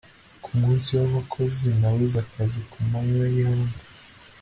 ku munsi w'abakozi, nabuze akazi ku manywa y'ihangu